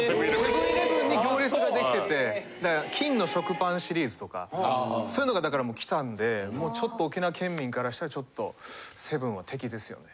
セブン−イレブンに行列が出来てて金の食パンシリーズとかそういうのが来たんでもうちょっと沖縄県民からしたらセブンは敵ですよね。